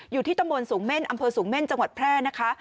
อยู่ที่ตำบลสูงเม่นอำเภอสูงเม่นจังหวัดแพร่นะคะ